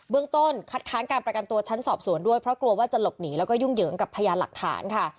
เรื่องต้นคัดค้านการประกันตัวชั้นสอบสวนด้วยเพราะกลัวว่าจะหลบหนีแล้วก็ยุ่งเหยิงกับพยานหลักฐานค่ะ